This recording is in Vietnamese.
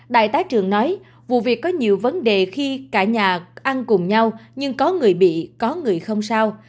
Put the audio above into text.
đại tá trường nói vụ việc có nhiều vấn đề khi cả nhà ăn cùng nhau nhưng có người bị có người không sao